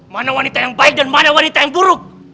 mana wanita yang baik dan mana wanita yang buruk